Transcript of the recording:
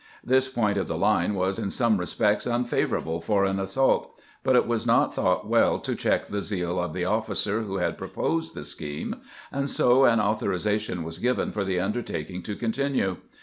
This point of the line was in some respects unfavorable for an assault; but it was not thought well to check the zeal of the officer who had proposed the scheme, and so an authorization was given for the undertaking to con tinue.